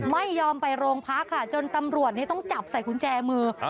ไม่ยอมไปโรงพักค่ะจนตำรวจต้องจับใส่กุญแจมือ